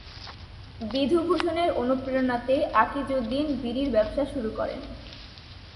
বিধুভূষণের অনুপ্রেরণাতেই আকিজউদ্দীন বিড়ির ব্যবসা শুরু করেন।